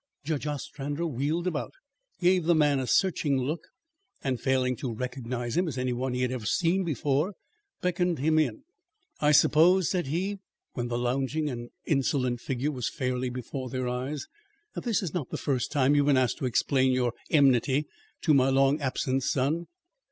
Judge Ostrander wheeled about, gave the man a searching look, and failing to recognise him as any one he had ever seen before, beckoned him in. "I suppose," said he, when the lounging and insolent figure was fairly before their eyes, "that this is not the first time you have been asked to explain your enmity to my long absent son."